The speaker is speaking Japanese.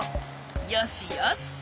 よしよし。